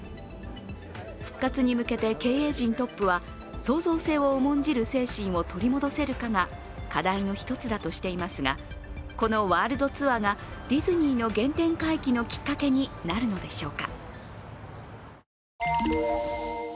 復活に向けて経営陣トップは創造性を重んじる精神を取り戻せるかが課題の一つだとしていますがこのワールドツアーがディズニーの原点回帰のきっかけになるのでしょうか。